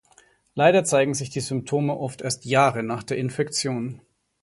Leider zeigen sich die Symptome oft erst Jahre nach der Infektion.